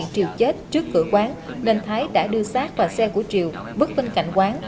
triều chết trước cửa quán nên thái đã đưa xác và xe của triều vứt bên cạnh quán